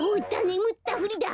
ねむったふりだ！